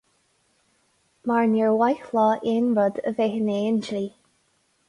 Mar níor mhaith leo aon rud a bheith in aghaidh an dlí.